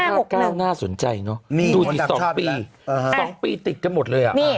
ห้าหกเก้าน่าสนใจเนอะนี่ดูที่สองปีอ่าฮะสองปีติดกันหมดเลยอ่ะนี่